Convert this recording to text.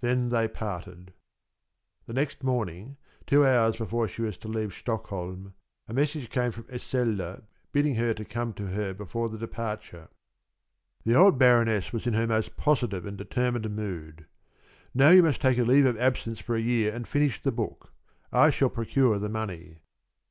Then they parted. The next morning, two hours before she was to leave Stockholm, a message came from Esselde bidding her come to her before the departure. The old Baroness was in her most positive and determined mood. "Now you must take a leave of absence for a year and finish the book. I shall procure the money."